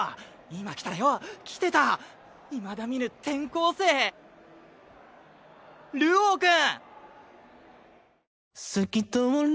今来たらよ来てたいまだ見ぬ転校生流鶯君！